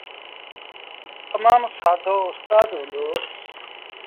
تمآم سآدو اُستآد هُݩدو۔